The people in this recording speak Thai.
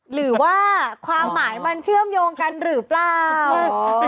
หรือว่าความหมายมันเชื่อมโยงกันหรือเปล่า